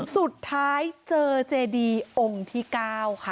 สุดท้ายเจอเจดีองค์ที่๙ค่ะ